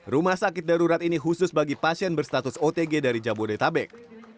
rumah sakit darurat ini khusus bagi pasien berstatus otg dari jabodetabek